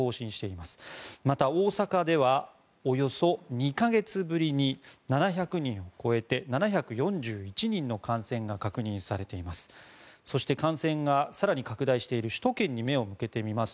また、大阪ではおよそ２か月ぶりに７００人を超えて７４１人の感染が確認されています。